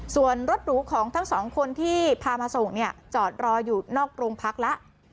ส่วนรถหรูของทั้งสองคนที่พามาส่งเนี่ยจอดรออยู่นอกโรงพักแล้ว